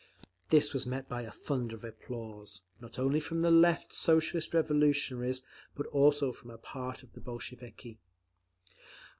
This was met by a thunder of applause, not only from the Left Socialist Revolutionaries, but also from a part of the Bolsheviki.